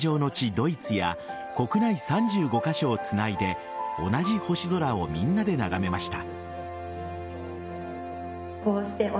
ドイツや国内３５カ所をつないで同じ星空をみんなで眺めました。